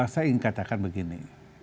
saya ingin katakan begini